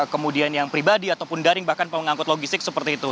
kemudian yang pribadi ataupun daring bahkan pengangkut logistik seperti itu